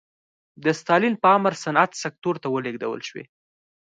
د ستالین په امر صنعت سکتور ته ولېږدول شوې.